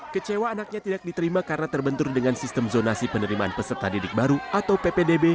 kecewa anaknya tidak diterima karena terbentur dengan sistem zonasi penerimaan peserta didik baru atau ppdb